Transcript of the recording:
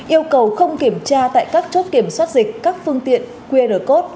yêu cầu không kiểm tra tại các chốt kiểm soát dịch các phương tiện qr code